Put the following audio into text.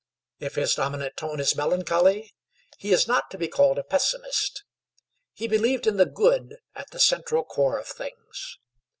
If his dominant tone is melancholy, he is not to be called a pessimist. He believed in the Good at the central core of things.